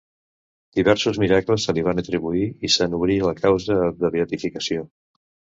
Diversos miracles se li van atribuir i se n'obrí la causa de beatificació.